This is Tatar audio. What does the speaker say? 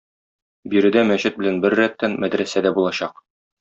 Биредә мәчет белән беррәттән мәдрәсә дә булачак.